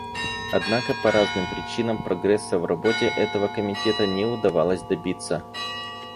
Однако по разным причинам прогресса в работе этого Комитета не удавалось добиться.